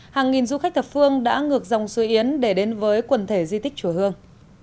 hàng nghìn du khách thập phương đã ngược dòng suối yến để đến với quần thể di tích chùa hương